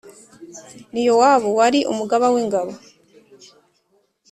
Ni Yowabu wari umugaba w’ingabo